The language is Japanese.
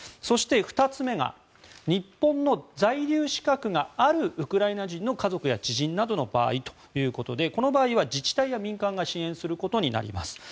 そして２つ目が日本の在留資格があるウクライナ人の家族や知人などの場合ということでこの場合は自治体や民間が支援することになります。